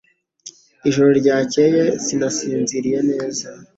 Ijoro ryakeye sinasinziriye neza